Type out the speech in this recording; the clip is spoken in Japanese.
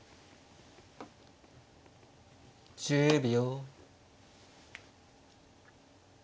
１０秒。